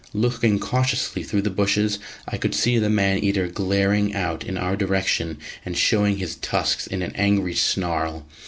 Looking cautiously through the bushes, I could see the man eater glaring out in our direction, and showing his tusks in an angry snarl.